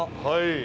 はい。